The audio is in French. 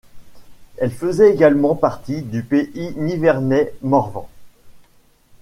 Elle faisait également partie du Pays Nivernais-Morvan.